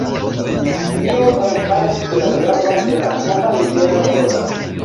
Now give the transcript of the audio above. Tiu emfazis la gravon de la homa libera volo.